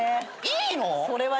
いいの？